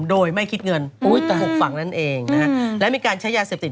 โดยไม่คิดเงินแต่หกฝั่งนั้นเองนะฮะและมีการใช้ยาเสพติด